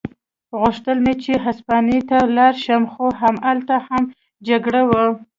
غوښتل مې چې هسپانیې ته ولاړ شم، خو همالته هم جګړه وه.